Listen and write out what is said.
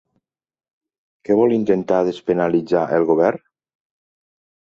Què vol intentar despenalitzar el govern?